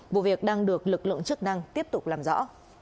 vụ việc đang được lực lượng chức năng tiếp tục làm rõ